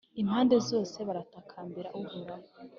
Impande zose baratakambira Uhoraho